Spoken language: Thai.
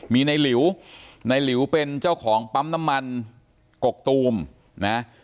มีในหลิวในหลิวเป็นเจ้าของปั๊มน้ำมันกกตูมนะ